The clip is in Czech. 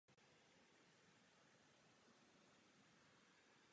Autorem všech skladeb je André Andersen.